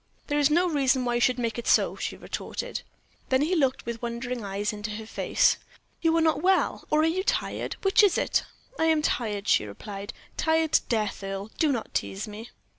"There is no reason why you should make it so," she retorted. Then he looked with wondering eyes into her face. "You are not well, or are you tired; which is it?" "I am tired," she replied; "tired to death, Earle. Do not tease me."